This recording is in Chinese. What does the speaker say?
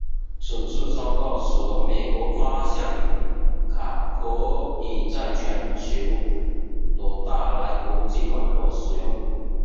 此次收购使得美国发现卡可以在全球的大来国际网络使用。